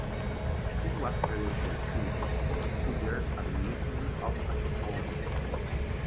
It was previously exhibited for two years at the Museum of Anthropology.